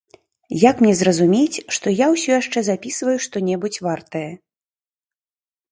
Як мне зразумець, што я ўсё яшчэ запісваю што-небудзь вартае?